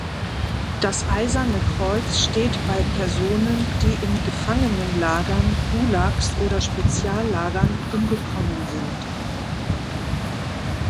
Das Eiserne Kreuz steht bei Personen, die in Gefangenenlagern, Gulags oder Speziallagern umgekommen sind.